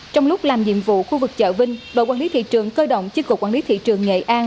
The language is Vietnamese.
trong lúc làm nhiệm vụ khu vực chợ vinh đội quản lý thị trường cơ động chiếc cục quản lý thị trường nghệ an